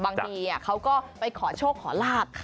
บางทีเขาก็ไปขอโชคขอลาบ